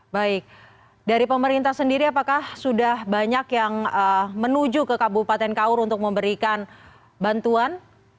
baik dari pemerintah sendiri apakah sudah banyak yang menuju ke kabupaten kaur untuk memberikan bantuan